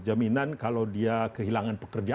jaminan kalau dia kehilangan pekerjaan